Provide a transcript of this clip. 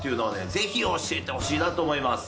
ぜひ教えてほしいなと思います。